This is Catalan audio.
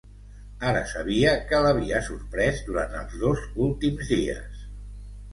Ara sabia què l'havia sorprès durant els dos últims dies.